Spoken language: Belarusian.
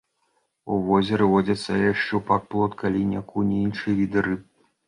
У возеры водзяцца лешч, шчупак, плотка, лінь, акунь і іншыя віды рыб.